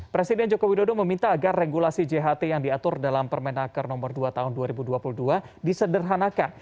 presiden joko widodo meminta agar regulasi jht yang diatur dalam permenaker nomor dua tahun dua ribu dua puluh dua disederhanakan